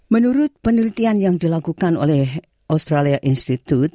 menurut penelitian yang dilakukan oleh australia institute